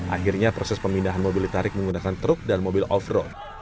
akhirnya proses pemindahan mobil ditarik menggunakan truk dan mobil off road